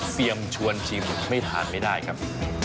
ชวนชิมไม่ทานไม่ได้ครับ